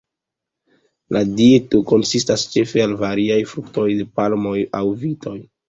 La dieto konsistas ĉefe el variaj fruktoj, de palmoj aŭ vitoj.